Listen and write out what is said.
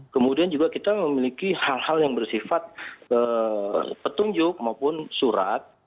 kemudian juga kita memiliki hal hal yang bersifat petunjuk maupun surat